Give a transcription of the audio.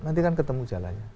nanti kan ketemu jalannya